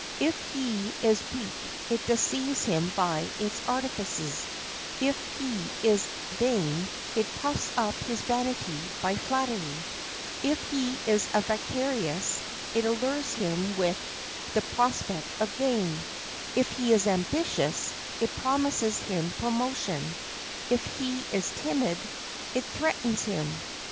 If he is weak, it deceives him by its artifices; if he is vain, it puffs up his vanity by flattery; if he is avaricious, it allures him with the prospect of gain; if he is ambitious, it promises him promotion; if he is timid, it threatens him.